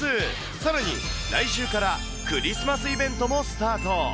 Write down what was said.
さらに、来週からクリスマスイベントもスタート。